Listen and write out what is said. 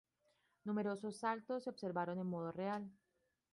Numerosos saltos, se observaron en modo real.